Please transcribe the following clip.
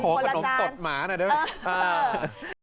ขอขนมตดหมาหน่อยได้มั้ยหา